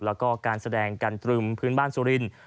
แล้วก็การแสดงกันตรึมพื้นบ้านสุรินทร์